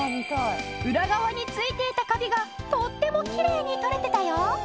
裏側に付いていたカビがとってもきれいに取れてたよ！